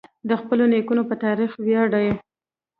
د خپلو نیکونو په تاریخ وویاړئ.